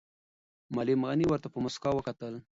معلم غني ورته په موسکا وکتل.